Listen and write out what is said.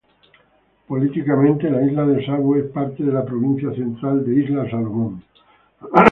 Políticamente, la "Isla de Savo" es parte de la Provincia Central de Islas Salomón.